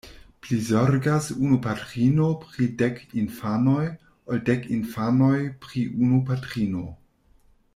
Pli zorgas unu patrino pri dek infanoj, ol dek infanoj pri unu patrino.